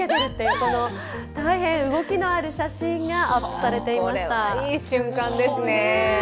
これはいい瞬間ですね。